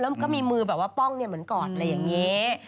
แล้วก็มีมือแบบว่าป้องเหมือนกอดอะไรอย่างนี้